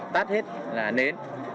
tắt hết nến